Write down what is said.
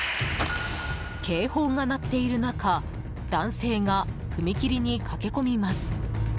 警報が鳴っている中男性が踏切に駆け込みます。